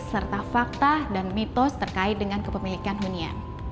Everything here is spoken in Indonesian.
serta fakta dan mitos terkait dengan kepemilikan hunian